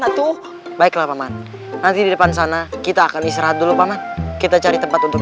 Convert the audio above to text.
satu baiklah paman nanti di depan sana kita akan istirahat dulu paman kita cari tempat untuk